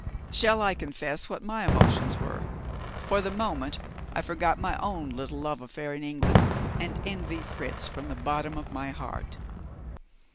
Shall I confess what my emotions were? For the moment, I forgot my own little love affair in England and envied Fritz from the bottom of my heart.